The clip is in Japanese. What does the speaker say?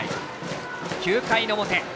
９回の表。